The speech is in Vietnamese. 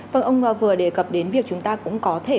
vâng ông vừa đề cập đến việc chúng ta cũng có thể